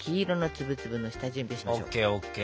ＯＫＯＫ。